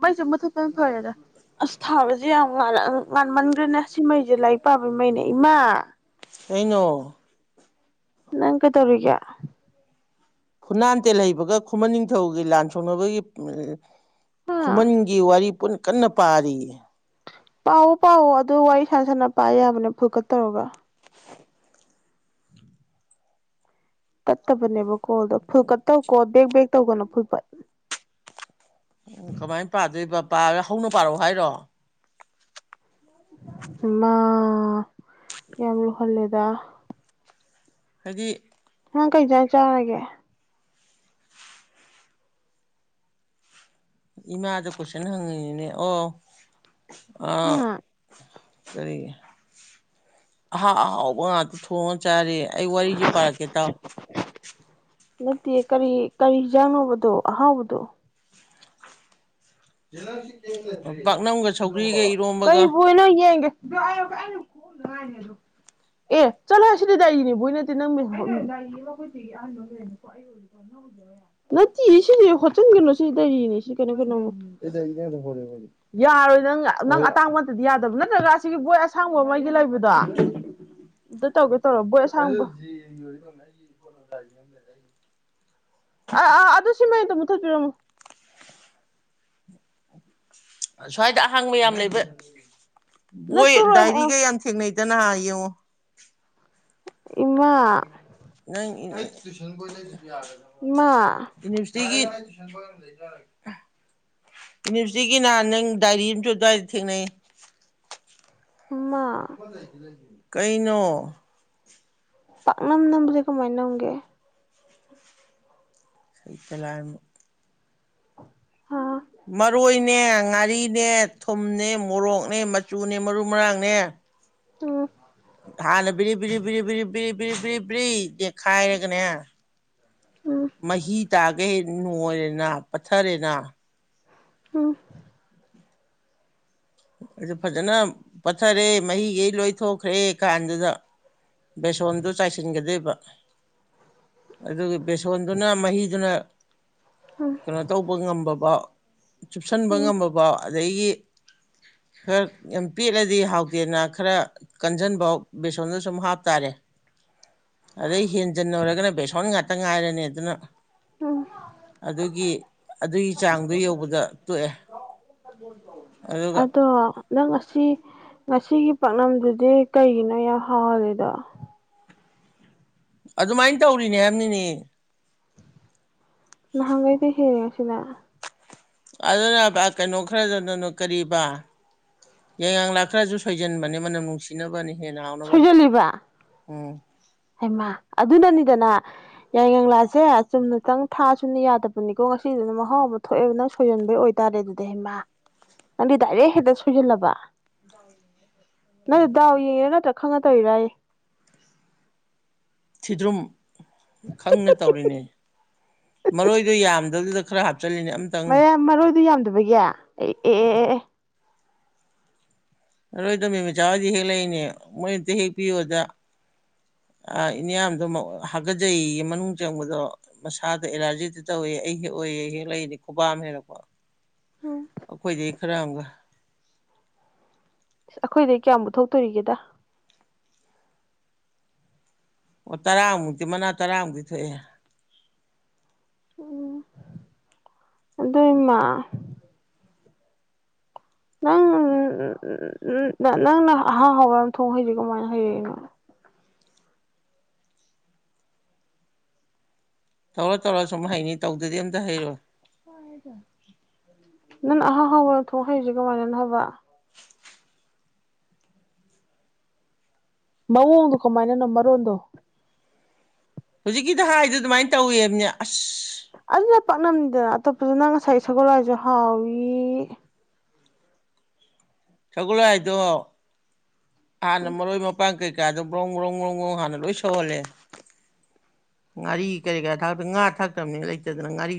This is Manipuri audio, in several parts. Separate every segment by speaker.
Speaker 1: ꯃꯩꯖꯦ ꯃꯨꯊꯠꯄꯅ ꯐꯔꯦꯗ ꯑꯁ ꯊꯥꯂꯖꯦ ꯌꯥ ꯉꯥꯟꯃꯟꯈ꯭ꯔꯦꯅꯦ ꯁꯤꯃꯩꯖꯦ ꯂꯥꯏꯔꯤꯛ ꯄꯥꯕꯩ ꯃꯩꯅꯦ ꯏꯃꯥ!
Speaker 2: ꯀꯩꯅꯣ?
Speaker 1: ꯅꯪ ꯀꯩꯗꯧꯔꯤꯒꯦ?
Speaker 2: ꯐꯨꯅꯥꯟꯇꯦꯜ ꯍꯩꯕꯒ ꯈꯨꯃꯟ ꯅꯤꯡꯊꯧꯒꯤ ꯂꯥꯟ ꯁꯣꯛꯅꯕꯒꯤ ꯈꯨꯃꯟꯒꯤ ꯋꯥꯔꯤ ꯄꯨꯟꯅ ꯀꯟꯅ ꯄꯥꯔꯤꯌꯦ꯫
Speaker 1: ꯄꯥꯑꯣ- ꯄꯥꯑꯣ ꯑꯗꯨ ꯋꯥꯔꯤ ꯁꯥꯟꯅ ꯁꯥꯟꯅ ꯄꯥ ꯌꯥꯕꯅꯦ [unintelligible] ꯇꯧꯔꯒ꯫ ꯇꯠꯇꯕꯅꯦꯕ ꯫ ꯀꯣꯜꯗꯣ ꯐꯨꯜ ꯀꯠ ꯇꯧꯀꯣ ꯕꯦꯛ ꯕꯦꯛ ꯇꯧꯒꯅꯨ ꯐꯨꯜ ꯀꯠ꯫
Speaker 2: ꯄꯥꯕꯥ ꯍꯧꯟ ꯄꯥꯔꯛꯑꯣ ꯍꯥꯏꯔꯣ?
Speaker 1: ꯃꯥ ꯌꯥꯝ ꯍꯜꯂꯦꯗ꯫
Speaker 2: ꯍꯥꯏꯗꯤ?
Speaker 1: ꯅꯪ ꯀꯩꯖꯥꯡ ꯆꯔꯒꯦ?
Speaker 2: ꯏꯃꯥꯗ ꯀꯣꯏꯁꯟ ꯍꯪꯉꯤꯅꯤꯅꯦ ꯑꯣ꯫ ꯑ꯫
Speaker 1: ꯍꯥ
Speaker 2: ꯀꯔꯤ ꯑ ꯍꯥꯎꯕ ꯉꯥꯛꯇ ꯊꯣꯉꯥ ꯆꯔꯤ ꯑꯩ ꯋꯥꯔꯤꯁꯦ ꯄꯥꯔꯛꯀꯦ ꯇꯥꯎ!
Speaker 1: ꯅꯠꯇꯦ ꯀꯔꯤ- ꯀꯔꯤ ꯍꯤꯟꯖꯥꯡꯅꯣꯕ ꯗꯣ ꯑꯍꯥꯎꯕꯗꯣ?
Speaker 2: ꯄꯥꯛꯅꯝꯒ ꯁꯧꯒ꯭ꯔꯤꯒ ꯏꯔꯣꯝꯕꯒ
Speaker 1: ꯀꯩꯕꯨꯅꯣ ꯏꯅꯦ ꯌꯦꯡꯒꯦ ꯑꯦ ꯆꯂꯣ ꯁꯤꯗꯤ ꯗꯥꯏꯔꯤꯅꯦꯕꯣꯏ ꯅꯠꯇꯦ ꯅꯪ ꯅꯠꯇꯦ ꯁꯤꯁꯦ ꯍꯣꯠꯆꯤꯟꯒꯅꯨ ꯁꯤ ꯗꯥꯏꯔꯤꯅꯦ ꯁꯤ ꯀꯩꯅꯣ ꯀꯩꯅꯣ ꯌꯥꯔꯣꯏ ꯅꯪ ꯅꯪ ꯑꯇꯥꯡꯕꯇꯗꯤ ꯌꯥꯗꯕ ꯅꯠꯇ꯭ꯔꯒ ꯑꯁꯤꯒꯤ ꯕꯣꯏ ꯑꯁꯥꯡꯕ ꯑꯃꯒꯤ ꯑꯩꯒꯤ ꯂꯩꯕꯗꯣ ꯑꯗꯨ ꯇꯧꯒꯦ ꯇꯧ ꯕꯣꯏ ꯑꯁꯥꯡꯕ ꯑ ꯑꯥ ꯑꯗꯨ ꯁꯤ ꯃꯩ ꯑꯃꯇꯥ ꯃꯨꯊꯠꯄꯤꯔꯝꯃꯣ
Speaker 2: [inaudible] ꯁ꯭ꯋꯥꯏꯗ ꯑꯍꯥꯡꯕ ꯌꯥꯝ ꯂꯩꯕ ꯕꯣꯏ
Speaker 1: ꯅꯠꯇꯨꯔꯣꯏ ꯑꯥ
Speaker 2: ꯗꯥꯏꯔꯤꯒ ꯌꯥꯝ ꯊꯦꯡꯅꯩ ꯗꯅ ꯍꯥꯏꯨ
Speaker 1: ꯏꯃꯥ
Speaker 2: ꯅꯪ
Speaker 1: ꯏꯃꯥ
Speaker 2: ꯎꯅꯤꯚꯔꯁꯤꯇꯤꯒꯤ ꯑꯃ ꯅꯨꯁꯤꯒꯤ ꯉꯍꯟ ꯗꯥꯏꯔꯤ ꯑꯃꯁꯨ ꯑꯗꯨꯋꯥꯏꯗ ꯊꯦꯡꯅꯩ
Speaker 1: ꯏꯃꯥ
Speaker 2: [inaudible] ꯀꯩꯅꯣ
Speaker 1: ꯄꯥꯛꯅꯝꯅꯝꯕꯁꯦ ꯀꯃꯥꯏꯅꯝꯒꯦ
Speaker 2: ꯁꯩꯇꯥ ꯂꯥꯏꯝ
Speaker 1: ꯍꯥ
Speaker 2: ꯃꯔꯣꯏꯅꯦ ꯉꯥ ꯃꯔꯤꯅꯦ ꯊꯨꯝꯅꯦ ꯃꯣꯔꯣꯛꯅꯦ ꯃꯆꯨꯅꯦ ꯃꯔꯨ ꯃꯔꯥꯡꯅꯦ
Speaker 1: ꯎꯝ
Speaker 2: ꯍꯥꯟꯅ ꯕꯤ꯭ꯔꯤ ꯭ꯕꯤꯔꯤ ꯕꯤꯔꯤ ꯕꯤꯔꯤ ꯕꯤꯔꯤ꯭ ꯕꯤꯔꯤ ꯕꯤꯔꯤ ꯕꯤ꯭ꯔꯤ ꯗꯦꯈꯥꯏꯔꯒꯅꯦ
Speaker 1: ꯎꯝ
Speaker 2: ꯃꯍꯤ ꯇꯥꯈꯩ ꯅꯣꯏꯔꯦꯅ ꯄꯊꯔꯦꯅ
Speaker 1: ꯎꯝ
Speaker 2: ꯑꯗꯨ ꯐꯖꯅ ꯄꯊꯔꯦ ꯃꯍꯤꯒꯩ ꯂꯣꯏ ꯊꯣꯛꯈ꯭ꯔꯦ ꯀꯥꯟꯗꯨꯗ ꯕꯦꯁꯣꯟꯗꯨ ꯆꯥꯏꯁꯤꯟꯒꯗꯣꯏꯕ ꯑꯗꯨꯒ ꯕꯦꯁꯣꯟꯗꯨꯅ ꯃꯍꯤꯗꯨꯅ
Speaker 1: ꯎꯝ
Speaker 2: ꯀꯩꯅꯣ ꯇꯧꯕ ꯉꯃꯕ ꯆꯨꯞꯁꯟꯕ
Speaker 1: ꯎꯝ
Speaker 2: ꯉꯝꯃꯕ ꯑꯗꯒꯤ ꯈꯔ ꯌꯥꯝ ꯄꯦꯜꯠꯂꯗꯤ ꯍꯥꯎ ꯌꯦꯅ ꯈꯔ ꯀꯟꯖꯟꯕ ꯕꯦꯁꯣꯟꯗ ꯁꯨꯝ ꯍꯥꯞ ꯇꯥꯔꯦ ꯑꯗꯩ ꯍꯦꯟꯖꯟꯅꯔꯒꯅ ꯕꯦꯁꯣꯟ ꯉꯥꯛꯇ ꯉꯥꯏꯔꯅꯤ ꯑꯗꯨꯅ
Speaker 1: ꯎꯝ
Speaker 2: ꯑꯗꯨꯒꯤ ꯑꯗꯨꯒꯤ ꯆꯥꯡꯗꯣ ꯌꯧꯕꯗ ꯇꯣꯛꯑꯦ ꯑꯗꯨꯒ
Speaker 1: ꯑꯗꯣ ꯅꯪ ꯑꯁ ꯁꯤ ꯉꯁꯤꯒꯤ ꯄꯥꯛꯅꯝꯗꯨꯗꯤ ꯀꯩꯒꯤꯅꯣ ꯌꯥꯝ ꯍꯥꯎꯍꯜꯂꯤꯗꯣ
Speaker 2: ꯑꯗꯨꯃꯥꯏꯅ ꯇꯧꯔꯤꯅꯦ ꯍꯥꯏꯕꯅꯤꯅꯦ
Speaker 1: ꯅꯍꯥꯟꯒꯩꯗꯩ ꯍꯦꯜꯂꯦ ꯉꯥꯁꯤꯅꯥ
Speaker 2: ꯑꯗꯨꯅ ꯀꯩꯅꯣ ꯈꯔꯗꯅꯅ ꯀꯔꯤꯕꯥ ꯌꯥꯏꯉ ꯂꯥꯛꯈ꯭ꯔꯁꯨ ꯁꯣꯏꯖꯟꯕꯅꯦ ꯃꯅꯝ ꯅꯨꯡꯁꯤꯅꯕꯅꯤ ꯍꯦꯟꯅꯥ ꯍꯥꯎꯅꯕ
Speaker 1: ꯁꯣꯏꯖꯜꯂꯤꯕ
Speaker 2: ꯎꯝ
Speaker 1: ꯍꯩꯃꯥ ꯑꯗꯨꯅꯅꯤꯗꯅ ꯌꯥꯏꯉꯪ ꯂꯥꯁꯦ ꯆꯨꯝꯅꯇꯪ ꯊꯥ ꯁꯨꯅ ꯌꯥꯗꯕꯅꯤꯀꯣ ꯉꯁꯤꯗꯨꯅ ꯃꯍꯥꯎ ꯑꯃ ꯊꯣꯛꯑꯦꯕ ꯅꯪ ꯁꯣꯏꯁꯤꯟꯕꯩ ꯑꯣꯏꯇꯥꯔꯦ ꯑꯗꯨꯗꯤ ꯍꯩꯃꯥ ꯅꯪꯗꯤ ꯗꯥꯏꯔꯦꯛ ꯍꯦꯛꯇ ꯁꯣꯏꯁꯤꯜꯂꯕ ꯅꯡ ꯗꯥꯎ ꯌꯦꯡꯉꯤ ꯅꯠꯇꯔꯥ ꯈꯪꯉ ꯇꯧꯏꯔ
Speaker 2: ꯊꯤꯗ꯭ꯔꯨꯝ ꯈꯪꯅ ꯇꯧꯔꯤꯅꯦ ꯃꯔꯣꯏꯗ ꯌꯥꯝꯗꯗꯨꯗ ꯈꯍꯞ
Speaker 1: ꯃꯌꯥꯝ ꯃꯔꯣꯏꯗꯤ ꯌꯥꯝ ꯑꯗꯨꯕꯒ ꯑꯦ
Speaker 2: ꯂꯔꯣꯏꯗꯣꯃꯤ ꯃꯆꯥ ꯍꯣꯏꯗꯤ ꯍꯦꯛ ꯂꯩꯏꯅꯦ ꯃꯣꯏ ꯑꯝꯇ ꯍꯦꯛꯄꯤꯌꯣꯗ ꯏꯌꯥꯝꯗꯣ ꯍꯥꯀꯠꯆꯩꯌꯦ ꯃꯅꯨꯡ ꯆꯪꯕꯗꯣ ꯃꯁꯥꯗ ꯑꯦꯂꯥꯔꯖꯤꯗ ꯇꯧꯏꯦ ꯑꯩ ꯍꯦꯛ ꯑꯣꯏꯑꯦ ꯑꯩ ꯍꯦꯛ ꯂꯩꯏꯅꯦ ꯈꯨꯕꯥꯝ ꯍꯦꯛꯂꯛꯄ
Speaker 1: ꯎꯝ
Speaker 2: ꯑꯣꯈꯣꯏꯗꯤ ꯔꯪꯪ
Speaker 1: ꯑꯩꯈꯣꯏꯗꯩ ꯀꯌꯥꯝ ꯄꯨꯊꯣꯛꯇꯣꯔꯤꯒꯦꯗ
Speaker 2: ꯑꯣ ꯇꯔꯥꯃꯨꯛꯇꯤ ꯃꯅꯥ ꯇꯔꯥꯃꯨꯛꯇꯤ ꯊꯣꯛꯑꯦ
Speaker 1: ꯎꯝ ꯑꯗ ꯃꯥ ꯅꯪ ꯅꯪꯅ ꯑꯍꯥ ꯍꯕ ꯑꯃ ꯊꯣꯡ ꯍꯩꯁꯤ ꯀꯃꯥꯏꯅ ꯍꯩꯔꯏꯅꯣ
Speaker 2: ꯇꯧꯔ ꯇꯧꯔ ꯁꯨꯝ ꯍꯥꯏꯩꯅꯤ ꯇꯧ ꯑꯗꯨꯗꯤ ꯑꯦꯝ ꯇ ꯍꯥꯏꯩꯔꯣ
Speaker 1: ꯅꯪ ꯑꯍꯥꯡ ꯍꯥꯎꯕꯅ ꯊꯣꯛꯣꯡ ꯍꯩꯔꯤꯁꯦ ꯀꯃꯥꯏꯅ ꯍꯥꯏꯕ ꯃꯑꯣꯡꯗꯣ ꯀꯃꯥꯏꯅꯅꯣ ꯃꯔꯣꯟꯗꯣ
Speaker 2: ꯍꯧꯖꯤꯛꯀꯤꯗ ꯍꯥꯏꯗꯨ ꯑꯗꯨꯃꯥꯏꯅ ꯇꯧꯋꯕꯅꯦ ꯑꯁ
Speaker 1: ꯑꯗꯨꯅ ꯄꯥꯛꯅꯝꯅꯤꯗꯅ ꯑꯇꯣꯞꯄꯁꯨ ꯅꯪ ꯉꯁꯥꯏ ꯁꯒꯣꯜꯂꯁꯨ ꯍꯥꯎꯏ
Speaker 2: ꯁꯒꯂꯣ ꯍꯥꯏꯗꯣ ꯑꯅ ꯃꯔ ꯑꯣꯏꯣꯏ ꯃꯄꯥꯡ ꯀꯩ ꯀꯀꯥꯗꯣ ꯕ꯭ꯔꯣꯡ ꯕ꯭ꯔꯣꯡ ꯕ꯭ꯔꯣꯡ ꯒ꯭ꯔꯣꯡ ꯍꯥꯟꯅ ꯂꯣꯏ ꯁꯧꯍꯜꯂꯦ ꯉꯥꯔꯤ ꯀꯔꯤ ꯀꯥ ꯊꯥꯛꯇ ꯉꯥ ꯊꯥꯛꯇꯕꯅꯤ ꯂꯩꯇ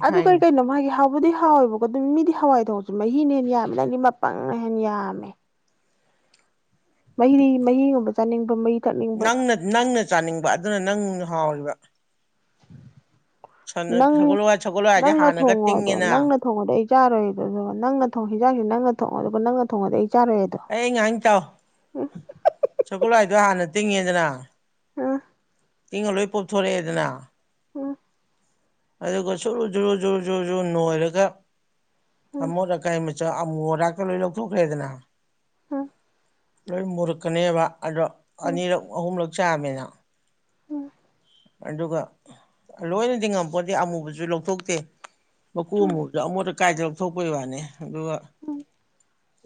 Speaker 1: ꯑꯗꯨ ꯀꯔꯤ ꯀꯔꯤꯅꯣ ꯃꯥꯒꯤ ꯍꯥꯎꯕꯨꯗꯤ ꯍꯥꯎꯋꯦꯕꯀꯣ ꯑꯗꯨ ꯃꯤꯗꯤ ꯍꯋꯥꯏ ꯊꯔꯁꯤ ꯃꯍꯤꯅ ꯍꯦ ꯌꯥꯝꯕ ꯅꯪꯅꯤ ꯃꯄꯪꯅ ꯍꯦ ꯌꯥꯝꯃꯦ ꯃꯩꯗꯤ ꯃꯍꯤꯒꯨꯝꯕ ꯆꯥꯅꯤꯡꯕ ꯃꯩ
Speaker 2: ꯅꯪꯅ ꯅꯪꯅ ꯆꯥꯅꯤꯡꯕ ꯑꯗꯨꯅ ꯅꯪ ꯍꯥꯎꯕ
Speaker 1: ꯅꯪ
Speaker 2: ꯍꯋꯥꯏ ꯁꯒꯣꯜ ꯍꯋꯥꯏꯁꯦ
Speaker 1: ꯅꯪꯅ
Speaker 2: ꯍꯥꯟꯅꯒ
Speaker 1: ꯊꯣꯡꯉꯣꯗꯣ
Speaker 2: ꯇꯤꯡꯉꯤꯅ
Speaker 1: ꯅꯪꯅ ꯊꯣꯡꯉꯗꯣ ꯑꯩ ꯆꯥꯔꯣꯏꯗꯣ ꯑꯗꯨꯒ ꯅꯪꯅꯣꯡ ꯍꯤꯟꯖꯥꯛꯁꯤꯦ ꯅꯪꯅ ꯊꯣꯡꯉꯒ ꯑꯗꯨꯒ ꯅꯪꯅ ꯊꯣꯡꯉꯗ ꯑꯩ ꯆꯥꯔꯣꯏ ꯑꯗꯣ
Speaker 2: ꯑꯩ ꯍꯪ ꯆꯎ ꯁꯒꯂꯣ ꯍꯥꯏ ꯑꯗꯨ ꯍꯥꯟꯅ ꯇꯤꯡꯉꯦꯗꯅ
Speaker 1: ꯑ
Speaker 2: ꯏꯪꯉ ꯂꯣꯏ ꯄꯣꯛꯞꯊꯣꯔꯛꯑꯦꯗꯅ ꯑꯗꯨꯒ ꯁꯨꯔꯨ ꯖꯨꯔꯨ ꯖꯨ ꯖꯨꯔ ꯖꯨ ꯅꯣꯏꯔꯒ ꯑ ꯃꯔ ꯀꯥꯏꯃꯤ ꯆ ꯔꯥꯛꯀꯦꯜ ꯂꯣꯏ ꯂ ꯊꯛ꯭ꯔꯦꯗꯅ
Speaker 1: ꯍꯥꯝ
Speaker 2: ꯂꯣꯏ ꯃꯨꯔꯛꯀꯅꯦꯕ ꯑꯗꯣ ꯑꯅꯤꯔꯛ ꯑꯍꯨꯝꯂꯛ ꯆꯥꯃꯤꯅ ꯑꯗꯨꯒ ꯂꯣꯏꯅꯗꯤ ꯉꯝꯄꯣꯠꯇꯗꯤ ꯑꯃꯨꯕꯁꯨ ꯂꯧꯊꯣꯛꯇꯦ ꯃ ꯀꯃ ꯀꯥꯏꯗꯕ ꯊꯣꯛꯄꯩ ꯋꯥꯅꯤ ꯑꯗꯨꯒ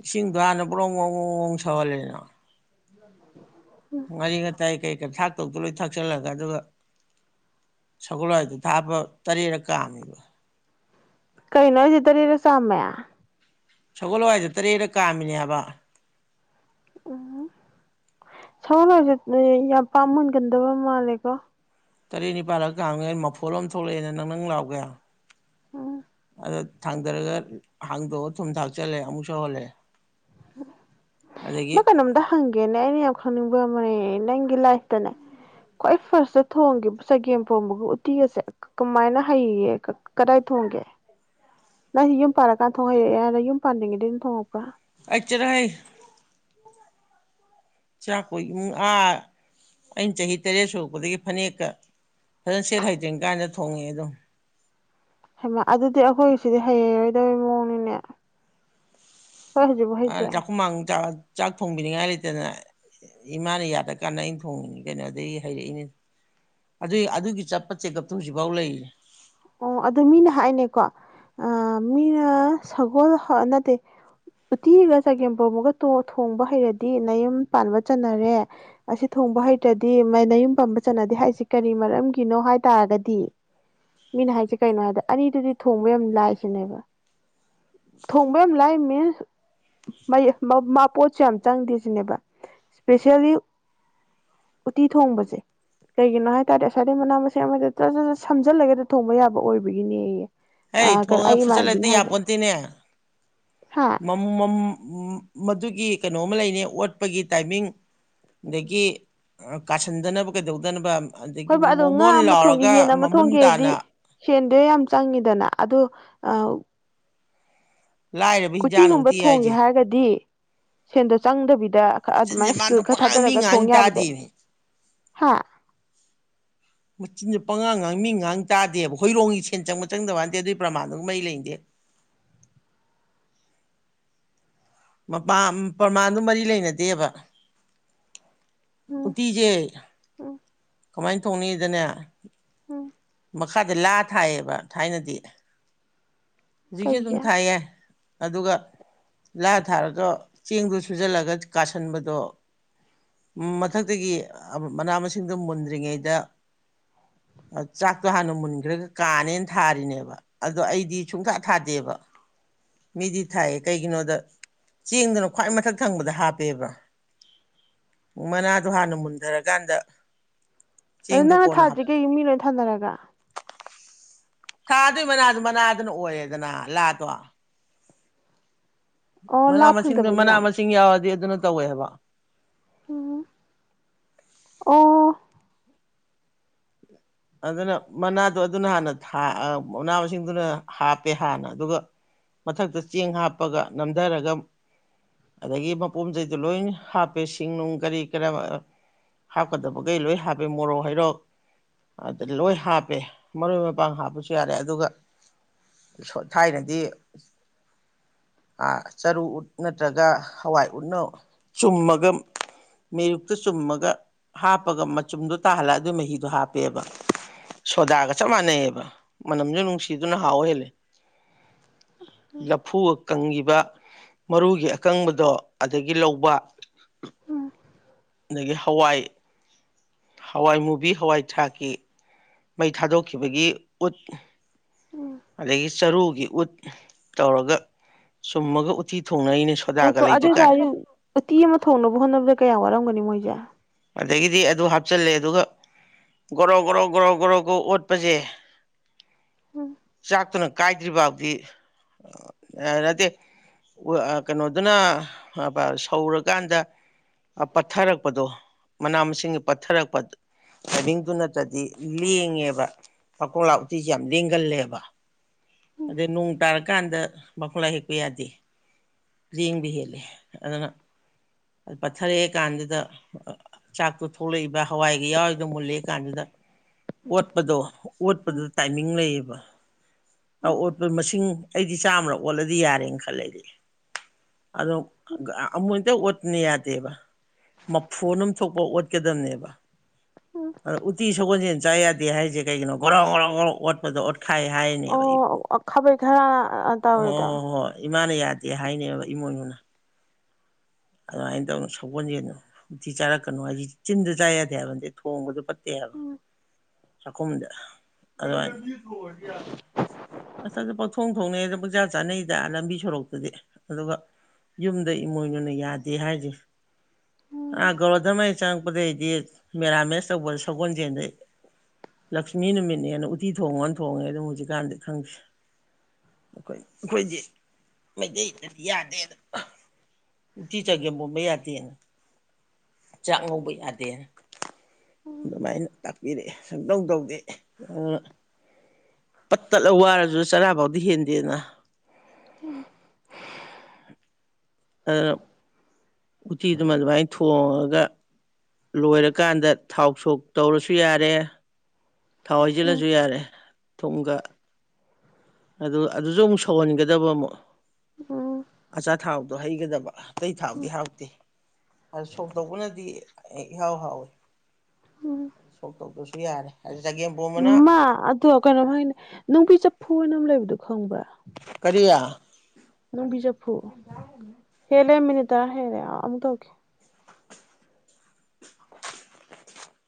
Speaker 2: ꯏꯁꯤꯡꯗꯣ ꯍꯥꯟꯅ ꯄꯨ꯭ꯔꯣꯉꯋꯣꯡꯣꯡ ꯊꯣꯛꯂꯅ
Speaker 1: ꯎꯝ
Speaker 2: ꯃꯔꯤ ꯉ ꯇꯥꯏ ꯀꯩꯀ ꯊꯥꯛ ꯇꯧꯗꯣ ꯂꯣꯏ ꯊꯥꯛ ꯀꯛꯆꯤꯜꯂꯒ ꯑꯗꯨꯒ ꯁꯒꯣꯜꯏꯗꯨ ꯊꯥꯞꯄ ꯇꯔꯦꯔ ꯀꯥꯝꯃꯦꯕ
Speaker 1: ꯀꯩ ꯅꯖꯤꯇꯔꯔꯁ ꯃꯌꯥꯝ
Speaker 2: ꯁꯒꯣꯜꯋꯥꯏꯗ ꯇꯔꯦꯔ ꯀꯥꯝꯃꯤꯅꯦ ꯍꯥꯏꯕ
Speaker 1: ꯎꯝ ꯁꯒꯣꯜꯁꯦ ꯌꯥꯝ ꯄꯥꯝ ꯃꯨꯟꯒꯟꯗꯕ ꯃꯥꯜꯂꯦꯀꯣ
Speaker 2: ꯇꯔꯦꯠ ꯅꯤꯄꯥꯜꯂꯒ ꯀꯥꯡꯉꯦ ꯃꯐꯨꯜꯣ ꯑꯃ ꯊꯣꯛꯂꯛꯑꯦꯅ ꯅꯪ ꯅꯪ ꯂꯥꯛꯒꯦ
Speaker 1: ꯎꯝ
Speaker 2: ꯑꯗꯣ ꯊꯥꯡꯗꯔꯒ ꯍꯥꯡꯗꯣꯛꯑ ꯊꯨꯝ ꯊꯥꯛꯆꯜꯂꯦ ꯑꯃꯨꯛ ꯁꯧꯍꯜꯂꯦ ꯑꯗꯒꯤ
Speaker 1: ꯃ ꯀ ꯅꯝꯗ ꯍꯪꯒꯦꯅꯦꯅꯦ ꯈꯪꯅꯤꯡꯕ ꯑꯃꯅꯦ ꯅꯪꯒꯤ ꯂꯥꯏꯐꯇꯅꯦ ꯈ꯭ꯋꯥꯏ ꯐꯥꯔꯁꯇ ꯊꯣꯡꯈꯤꯕ ꯆꯒꯦꯝ ꯄꯣꯝꯕꯒ ꯎꯇꯤꯒꯁꯦ ꯀꯃꯥꯏꯅ ꯍꯩꯌꯦ ꯀꯗꯥꯏ ꯊꯣꯡꯒꯦ ꯅꯪ ꯌꯨꯝ ꯄꯥꯔꯀꯥꯟ ꯊꯣꯡ ꯍꯩꯔꯦꯅ ꯌꯨꯝ ꯄꯥꯟꯅꯤꯡꯉꯩꯗꯒꯤ ꯑꯗꯨꯝ ꯊꯣꯡꯉꯄ
Speaker 2: ꯑꯆꯔꯣꯏ ꯆꯥꯛ ꯀꯣꯏ ꯏꯃꯨꯡ ꯑꯥ ꯑꯩꯅ ꯆꯍꯤ ꯇꯔꯦꯠ ꯁꯨꯔꯛꯄꯗꯒꯤ ꯐꯅꯦꯛꯀ ꯑꯗꯨ ꯁꯦ ꯍꯥꯏꯖꯒꯥꯏꯅ ꯊꯣꯡꯉꯦ ꯑꯗꯨꯣ
Speaker 1: ꯃ ꯑꯗꯨꯗꯤ ꯑꯩꯈꯣꯏꯒꯤꯁꯤꯗꯤ ꯍꯩꯌꯦꯡꯔꯣꯏꯗꯕꯩ ꯃꯑꯣꯡꯅꯤꯅꯦ ꯍꯖꯕ ꯍꯗ
Speaker 2: ꯆꯥꯛꯈꯨꯝꯃꯥꯡ ꯆꯥꯛ ꯊꯣꯡꯕꯤꯅꯤꯡꯉꯥꯏ ꯂꯩꯇꯅ ꯏꯃꯥꯅ ꯌꯥꯗꯀꯥꯟꯗ ꯑꯩꯅ ꯊꯣꯡꯉ ꯀꯩꯅꯣꯗꯗꯒꯤ ꯍꯩꯔꯛꯏꯅꯤ ꯑꯗꯨꯏ ꯑꯗꯨꯒꯤ ꯆꯠꯄ ꯆꯦꯛꯑꯞꯇꯣ ꯍꯧꯖꯤꯛꯐꯥꯎ ꯂꯩꯔꯤ
Speaker 1: ꯑꯣ ꯑꯗꯨ ꯃꯤꯅ ꯍꯥꯏꯅꯦꯀꯣ ꯃꯤꯅ ꯁꯒꯣꯜ ꯅꯠꯇꯦ ꯎꯇꯤꯒ ꯆꯒꯦꯝꯄꯣꯝ ꯑꯃꯒ ꯊꯣꯡꯕ ꯍꯩꯔꯗꯤ ꯃꯌꯨꯝ ꯄꯥꯟꯕ ꯆꯠꯅꯔꯦ ꯑꯁꯤ ꯊꯣꯡꯕ ꯍꯩꯔ꯭ꯔꯗꯤ ꯃꯌꯨꯝ ꯄꯥꯟꯕ ꯆꯠꯅꯗꯦ ꯍꯥꯏꯁꯤ ꯀꯔꯤ ꯃꯔꯝꯒꯤꯅꯣ ꯍꯥꯏ ꯇꯥꯔꯒꯗꯤ ꯃꯤꯅ ꯍꯥꯏꯁꯦ ꯀꯩꯅꯣ ꯍꯥꯏꯗ ꯑꯅꯤꯗꯨꯗꯤ ꯊꯣꯡꯕ ꯌꯥꯝ ꯂꯥꯏ ꯁꯤꯅꯦꯕ ꯊꯣꯡꯕ ꯌꯥꯝ ꯂꯥꯏ ꯃꯤꯟꯁ ꯃꯥꯄꯣꯠꯁꯨ ꯌꯥꯝ ꯆꯪꯗꯦ ꯁꯤꯅꯦꯕ ꯏꯁꯄꯦꯁꯦꯜꯂꯤ ꯎꯇꯤ ꯊꯣꯡꯕꯁꯦ ꯀꯩꯒꯤꯅꯣ ꯍꯥꯏ ꯇꯔꯗꯤ ꯉꯁꯥꯏꯗꯩ ꯃꯅꯥ ꯃꯁꯤꯡ ꯑꯃꯗꯖ ꯁꯝꯖꯤꯜꯂꯒ ꯊꯣꯡꯕ ꯌꯥꯕ ꯑꯣꯏꯕꯒꯤꯅꯦꯌꯦ
Speaker 2: ꯍ
Speaker 1: ꯑ ꯀꯩꯅꯣ
Speaker 2: ꯊꯣꯡꯉꯦ
Speaker 1: ꯑꯩ
Speaker 2: ꯐꯨꯆꯠꯂꯛꯇ
Speaker 1: ꯏꯃꯥꯟꯅꯕꯤꯅ ꯍꯥꯏꯕ
Speaker 2: ꯌꯥꯄꯣꯟꯇꯦꯅꯦ
Speaker 1: ꯍꯥ
Speaker 2: ꯃꯗꯨꯒꯤ ꯀꯩꯅꯣꯃ ꯂꯩꯅꯤ ꯑꯣꯠꯄꯒꯤ ꯇꯥꯏꯃꯤꯡ ꯑꯗꯒꯤ ꯀꯥꯁꯟꯗꯅꯕ ꯀꯩꯗꯧꯗꯅꯕ ꯑꯗꯒꯤ
Speaker 1: ꯍꯣꯏꯕ ꯑꯗꯣ ꯉꯥ
Speaker 2: ꯃꯃꯣꯟ ꯂꯥꯎꯔꯒ ꯃꯃꯨꯟ ꯇꯥꯅ
Speaker 1: ꯁꯦꯟꯗ ꯌꯥꯝ ꯆꯪꯉꯤꯗꯅ ꯑꯗꯣ
Speaker 2: ꯂꯥꯏꯔꯕ ꯍꯤꯟꯖꯥꯡꯅ
Speaker 1: ꯀꯨꯇꯤꯒꯨꯝꯕ
Speaker 2: ꯎꯇꯤ
Speaker 1: ꯊꯣꯡꯒꯦ
Speaker 2: ꯍꯥꯏꯁꯦ
Speaker 1: ꯍꯥꯏꯔꯒꯗꯤ ꯁꯦꯟꯗ ꯆꯪꯗꯕꯤꯗ ꯗ
Speaker 2: ꯃꯆꯤꯟꯁꯦ
Speaker 1: ꯑꯗꯨꯃꯥꯏꯅ ꯏꯁꯀꯤꯜ
Speaker 2: ꯃꯥꯅ
Speaker 1: ꯈꯔ
Speaker 2: ꯄꯉꯥꯡ ꯃꯤ
Speaker 1: ꯊꯥꯗꯔꯒ ꯊꯣꯡ
Speaker 2: ꯉꯥꯡ
Speaker 1: ꯌꯥꯕꯗꯣ
Speaker 2: ꯇꯥꯗꯦꯅꯦ
Speaker 1: ꯍꯥꯦ
Speaker 2: ꯃꯆꯤꯟꯗꯨ ꯄꯉꯥꯡ ꯉꯍꯥꯡ ꯃꯤ ꯉꯥꯏꯍꯥꯡ ꯇꯥꯗꯦꯕ ꯍꯣꯏꯔꯣꯡꯒꯤ ꯁꯦꯟ ꯆꯪꯕ ꯆꯪꯗꯕ ꯃꯗꯦ ꯑꯗꯨꯏ ꯄ꯭ꯔꯃꯥꯟꯒ ꯃꯩ ꯂꯩꯗꯦ ꯃꯄꯥ ꯄ꯭ꯔꯃꯥꯟꯗꯨ ꯃꯔꯤ ꯂꯩꯅꯗꯦꯕ
Speaker 1: ꯎꯝ
Speaker 2: ꯇꯖꯦ
Speaker 1: ꯎꯝ
Speaker 2: ꯀꯃꯥꯏꯅ ꯇꯧꯅꯤꯗꯅꯦ
Speaker 1: ꯎꯝ
Speaker 2: ꯃꯈꯥꯗ ꯂꯥ ꯊꯥꯏꯌꯦꯕ ꯊꯥꯏꯅ ꯑꯗꯨꯗꯤ ꯍꯧꯖꯤꯛꯁꯨ ꯑꯗꯨꯝ
Speaker 1: ꯀꯩꯒꯤ
Speaker 2: ꯊꯥꯏꯌꯦ ꯑꯗꯨꯒ ꯂꯥ ꯊꯥꯔꯁꯨ ꯆꯦꯡꯗꯣ ꯁꯨꯖꯜꯂꯒ ꯀꯥꯁꯟꯕꯗꯣ ꯃꯊꯛꯇꯒꯤ ꯃꯅꯥ ꯃꯁꯤꯡꯗꯣ ꯃꯨꯟꯗ꯭ꯔꯤꯉꯩꯗ ꯆꯥꯛꯇꯣ ꯍꯥꯟꯅ ꯃꯨꯟꯈ꯭ꯔꯒ ꯀꯥꯅꯦꯅ ꯊꯥꯔꯤꯅꯦꯕ ꯑꯗꯣ ꯑꯩꯗꯤ ꯁꯨꯡꯊꯥ ꯊꯥꯗꯦꯕ ꯃꯤꯗꯤ ꯊꯥꯏꯌꯦ ꯀꯩꯒꯤꯅꯣꯗ ꯆꯦꯡꯗꯨꯅ ꯈ꯭ꯋꯥꯏ ꯃꯊꯛ ꯊꯪꯕꯗ ꯍꯥꯞꯄ ꯄꯦꯕꯥ ꯃꯅꯥꯗꯣ ꯍꯥꯟꯅ ꯃꯨꯟꯊꯔꯀꯥꯟꯗ
Speaker 1: ꯑꯗꯨ
Speaker 2: ꯆꯦꯡꯗꯣ
Speaker 1: ꯅꯪꯅ
Speaker 2: ꯀꯣꯟꯅ
Speaker 1: ꯊꯥꯗ꯭ꯔꯤ
Speaker 2: ꯍꯥꯞꯄ
Speaker 1: ꯀꯩ ꯃꯤꯅꯦ ꯐꯅꯔꯒ
Speaker 2: ꯊꯥꯗꯣꯏ ꯃꯅꯥꯗꯨ ꯃꯅꯥꯗꯨꯅ ꯑꯣꯏꯌꯦꯦꯗꯅ ꯂꯥꯗꯣ
Speaker 1: ꯑꯣ
Speaker 2: ꯃꯅꯥ
Speaker 1: ꯂꯥ
Speaker 2: ꯃꯁꯤꯡꯗꯣ
Speaker 1: ꯐꯪꯗꯕꯒꯤ
Speaker 2: ꯃꯅꯥ ꯃꯁꯤꯡ ꯌꯥꯎꯔꯗꯤ ꯑꯗꯨꯅ ꯇꯧꯋꯦ ꯍꯥꯏꯕ
Speaker 1: ꯎꯝ ꯑꯣ
Speaker 2: ꯑꯗꯨꯅ ꯃꯅꯥꯗꯣ ꯑꯗꯨꯅ ꯍꯥꯟꯅ ꯃꯅꯥ ꯃꯁꯤꯡꯗꯨꯅ ꯍꯥꯞꯄꯦ ꯍꯥꯟꯅ ꯑꯗꯨꯒ ꯃꯊꯛꯇ ꯆꯦꯡ ꯍꯥꯞꯄꯒ ꯅꯝꯊꯔꯒ ꯑꯗꯒꯤ ꯃꯄꯣꯝꯆꯩꯗꯣ ꯂꯣꯏ ꯍꯥꯞꯄꯦ ꯁꯤꯡꯅꯨꯡ ꯀꯔꯤ ꯀꯔ ꯍꯥꯞꯀꯗꯕꯈꯩ ꯂꯣꯏ ꯍꯥꯞꯄꯦ ꯃꯣꯔꯣꯛ ꯍꯩꯔꯣꯛ ꯑꯗꯨ ꯂꯣꯏ ꯍꯥꯞꯄꯦ ꯃꯔꯣꯏ ꯃꯄꯥꯡ ꯍꯥꯞꯄꯁꯨ ꯌꯥꯔꯦ ꯑꯗꯨꯒ ꯊꯥꯏꯅꯗꯤ ꯆꯔꯨ ꯎꯠ ꯅꯠꯇ꯭ꯔꯒ ꯍꯋꯥꯏ ꯎꯠꯅ ꯆꯨꯝꯃꯒ ꯃꯔꯨꯛꯇ ꯆꯨꯝꯃꯒ ꯍꯥꯞꯄꯒ ꯃꯆꯨꯝꯗꯣ ꯇꯥꯍꯜꯂ ꯑꯗꯨꯏ ꯃꯍꯤꯗꯣ ꯍꯥꯞꯄ ꯁꯣꯗꯥꯒ ꯆꯞ ꯃꯥꯟꯅꯩꯑꯕ ꯃꯅꯝꯁꯨ ꯅꯨꯡꯁꯤꯗꯨꯅ ꯍꯥꯎ ꯍꯦꯜꯂꯦ ꯂꯐꯨꯒ ꯀꯪꯈꯤꯕ ꯃꯔꯨꯒꯤ ꯑꯀꯪꯕꯗꯣ ꯑꯗꯒꯤ ꯂꯧꯕ
Speaker 1: ꯎꯝ
Speaker 2: ꯑꯗꯒꯤ ꯍꯋꯥꯏ ꯍꯋꯥꯏꯃꯨꯕꯤ ꯍꯋꯥꯏ ꯊꯔꯥꯛꯀꯤ ꯃꯩ ꯊꯥꯗꯣꯛꯈꯤꯕꯒꯤ ꯎꯠ
Speaker 1: ꯎꯝ
Speaker 2: ꯑꯗꯒꯤ ꯆꯔꯨꯒꯤ ꯎꯠ ꯇꯧꯔꯒ ꯁꯨꯝꯃꯒ ꯎꯊꯤ
Speaker 1: ꯉꯥꯏꯈꯣ ꯑꯗꯨ ꯑꯣꯏꯇꯥꯔꯗꯤ ꯎꯇꯤ ꯑꯃ ꯊꯣꯡꯅꯕ ꯍꯣꯠꯅꯕꯗ ꯀꯌꯥꯝ ꯋꯥꯔꯝꯒ ꯅꯤꯃꯣꯏꯖꯦ
Speaker 2: ꯑꯗꯒꯤꯗꯤ ꯑꯗꯨ ꯍꯥꯞꯆꯜꯂꯦ ꯑꯗꯨꯒ ꯒꯣꯔꯣ ꯒꯣꯔꯣ ꯒꯣꯔꯣ ꯒꯣꯔꯣ ꯒꫭ ꯑꯣꯠꯄꯁꯦ ꯆꯥꯛꯇꯨꯅ ꯀꯥꯏꯗ꯭ꯔꯤꯕꯥꯎꯗꯤ ꯑ ꯅꯠꯇꯦ ꯎ ꯀꯩꯅꯣꯗꯨꯅ ꯍꯕ ꯁꯧꯔꯀꯥꯟꯗ ꯄꯠꯊꯔꯛꯄꯗꯣ ꯃꯅꯥ ꯃꯁꯤꯡꯒꯤ ꯄꯠꯊꯔꯛꯄ ꯄꯅꯤꯡꯗꯨ ꯅꯠꯇ꯭ꯔꯗꯤ ꯂꯦꯡꯉꯦꯕ ꯄꯥꯀꯣꯛꯂꯥ ꯎꯇꯤꯁꯦ ꯌꯥꯝ ꯂꯦꯡꯒꯜꯂꯦꯕ꯫ ꯕꯥ ꯑꯗꯩ ꯅꯣꯡ ꯇꯥꯔꯀꯥꯟꯗ ꯃꯈꯣꯛꯂꯥ ꯍꯦꯛꯄ ꯌꯥꯗꯦ ꯂꯦꯡꯕ ꯍꯦꯜꯂꯦ ꯑꯗꯨꯅ ꯄꯠꯊꯔꯛꯑꯦ ꯀꯥꯟꯗꯨꯗ ꯆꯥꯛꯇꯣ ꯊꯣꯛꯂꯛꯏꯕ ꯍꯋꯥꯏꯒ ꯌꯥꯎꯔꯤꯗꯣ ꯃꯨꯜꯂꯛꯑꯏ ꯀꯥꯟꯗꯨꯗ ꯑꯣꯠꯄꯗꯣ ꯑꯣꯠꯄꯗꯨ ꯇꯥꯏꯃꯤꯡ ꯂꯩꯌꯦꯕ꯫ ꯑ ꯑꯣꯠꯄ ꯃꯁꯤꯡ ꯑꯩꯗꯤ ꯆꯥꯝꯃꯔꯛ ꯑꯣꯠꯂꯗꯤ ꯌꯥꯔꯦꯅ ꯈꯜꯂꯦꯗꯤ ꯑꯗꯤ ꯑꯗꯣ ꯑꯃꯨꯛꯇꯪ ꯑꯣꯠꯅ ꯌꯥꯗꯦꯕ ꯃꯐꯣꯟ ꯑꯃ ꯊꯣꯛꯄꯐꯧ ꯑꯣꯠꯀꯗꯝꯕꯅꯦꯕ ꯑꯗꯣ ꯎꯠꯇꯤ ꯁꯒꯣꯜꯁꯦꯟ ꯆꯥ ꯌꯥꯗꯦ ꯍꯥꯏꯔꯤꯁꯦ ꯀꯩꯒꯤꯅꯣ ꯒꫭꯔꫭ ꯒꯣꯔꫭ ꯒꫭꯔꫭ ꯑꯣꯠꯄꯗ ꯑꯣꯠꯈꯥꯏ ꯍꯥꯏꯔꯤꯅꯦꯕ꯫
Speaker 1: ꯑꫭ ꯈꯥꯕꯩ ꯈꯔ ꯑ ꯇꯋꯦꯗ
Speaker 2: ꯗꯦ ꯍꯥꯏꯅꯦꯕ ꯏꯃꯣꯏꯅꯨꯅ ꯑꯗꯨꯃꯥꯏꯅ ꯇꯧꯅ ꯁꯒꯣꯜꯁꯦꯜꯅ ꯎꯇꯤ ꯆꯥꯔꯛꯀꯅꯨ ꯍꯥꯏꯗꯤ ꯆꯤꯟꯗ ꯆꯥ ꯌꯥꯗꯦ ꯍꯥꯏꯕ ꯅꯠꯇꯦ ꯊꯣꯡꯕꯁꯨ ꯐꯠꯇꯦ ꯍꯥꯏꯕ꯫ ꯆꯥꯛꯈꯨꯝꯗ ꯑꯗꯨꯃꯥꯏ ꯑꯁ ꯄꯪꯊꯣꯡ ꯊꯣꯡꯅꯩ ꯑꯗ ꯄꯨꯡꯆꯥꯥ ꯆꯥꯅꯩꯗ ꯂꯝꯕꯤ ꯁꯣꯔꯣꯛꯇꯗꯤ ꯑꯗꯨꯒ ꯌꯨꯝꯗ ꯏꯃꯣꯏꯅꯨꯅ ꯌꯥꯗꯦ ꯍꯥꯏꯁꯦ꯫ ꯑꯥ ꯒꯑꯧꯔꯥ ꯗꯔꯃ ꯆꯪꯉꯛꯄꯗꯩꯗꯤ ꯃꯦꯔꯥꯃꯦꯁ ꯇꯧꯕ ꯁꯒꯣꯟꯖꯦꯟꯗꯩ ꯂꯛꯁꯃꯤ ꯅꯨꯃꯤꯠꯅꯦꯅ ꯎꯠꯇꯤ ꯊꯣꯡꯉꯣꯅ ꯊꯣꯡꯉꯦ ꯑꯗꯨꯝ ꯍꯧꯖꯤꯛꯀꯥꯟꯗꯤ ꯈꯪꯗꯦ ꯑꯩꯈꯣꯏ ꯑꯩꯈꯣꯏꯗꯤ ꯃꯩꯇꯩꯗꯗꯤ ꯌꯥꯗꯦꯗ ꯎꯠꯇꯤ ꯆꯒꯦ ꯄꯣꯝꯕ ꯌꯥꯗꯦ꯫ ꯆꯥꯛ ꯉꯧꯕ ꯌꯥꯗꯦꯅ ꯑꯗꯨꯃꯥꯏꯅ ꯇꯥꯛꯄꯤꯔꯛꯑꯦ ꯁꯨꯝꯗꯧꯗꯧꯗꯦ ꯑ ꯄꯠ ꯇꯠꯂ ꯋꯥꯔꯁꯨ ꯆꯔꯥꯐꯥꯎ ꯗꯤ ꯍꯦꯟꯗꯦꯅ ꯑꯗꯨꯅ ꯎꯇꯤꯗꯨꯃ ꯑꯗꯨꯃꯥꯏꯅ ꯊꯣꯡꯉꯥꯒ ꯂꯣꯏꯔꯀꯥꯟꯗ ꯊꯥꯎ ꯁꯣꯛ ꯇꯧꯔꯁꯨ ꯌꯥꯔꯦ ꯊꯥꯎ ꯍꯥꯏꯁꯤꯜꯂꯁꯨ ꯌꯥꯔꯦ꯫ ꯊꯨꯝꯒ ꯑꯗꯨ ꯑꯗꯨꯁꯨ ꯑꯃꯨꯛ ꯁꯧꯍꯟꯒꯗꯕ ꯑꯃꯨꯛ ꯑꯆꯥꯊꯥꯎꯗ ꯍꯩꯒꯗꯕ ꯑꯇꯩ ꯊꯥꯎꯗꯤ ꯍꯥꯎꯇꯦ ꯑꯗꯨ ꯁꯣꯛ ꯇꯧꯕꯅꯗꯤ ꯑꯩ ꯏꯅ ꯏꯍꯥꯎ ꯍꯥꯎꯋꯦ꯫
Speaker 1: ꯃꯥ ꯑꯗꫭ ꯀꯩꯅꯣꯝ ꯍꯥꯏꯅꯦ ꯅꯨꯡꯕꯤ ꯆꯐꯨ ꯍꯥꯏꯅ ꯑꯃ ꯂꯩꯕꯗꯣ ꯈꯪꯡꯕ꯭ꯔꯥ꯫
Speaker 2: ꯀꯔꯤꯌ꯫
Speaker 1: ꯅꯨꯡꯕꯤ ꯆꯐꯨ ꯍꯦꯂꯦ ꯃꯤꯅꯤꯠ ꯇꯔꯥ ꯍꯦꯜꯂꯦ ꯑꯃꯨꯛ ꯇꯧꯔꯛꯀꯦ꯫